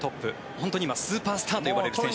本当に今、スーパースターと呼ばれる選手。